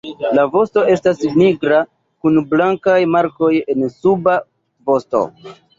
La vosto estas nigra kun blankaj markoj en suba vosto.